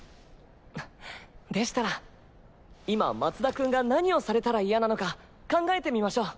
でしたら今松田君が何をされたら嫌なのか考えてみましょう。